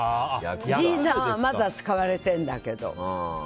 おじいさんはまだ使われてんだけど。